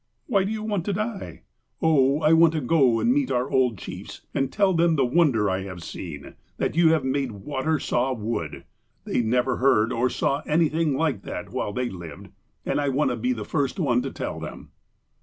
" Why do you want to die? " *'0h, I want to go and meet our old chiefs, and tell them the wonder I have seen, that you have made water saw wood. They never heard or saw anything like that while they lived, and I want to be the first one to tell them."